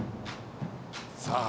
さあ。